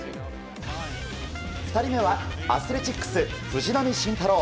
２人目はアスレチックス、藤浪晋太郎。